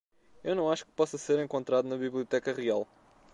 Eu não acho que possa ser encontrado na Biblioteca Real.